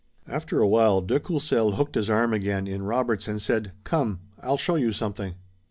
After a while de Courcelles hooked his arm again in Robert's and said: "Come, I'll show you something."